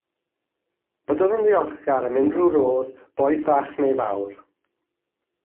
Byddwn yn ddiolchgar am unrhyw rodd, boed fach neu fawr